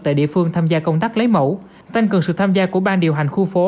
tại địa phương tham gia công tác lấy mẫu tăng cường sự tham gia của ban điều hành khu phố